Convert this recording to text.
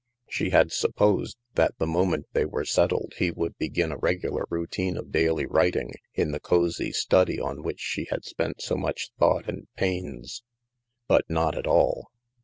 She had supposed that the moment they were set tled he would begin a regular routine of daily writ ing in the cosy study on which she had spent so much thought and pains. But, not at all.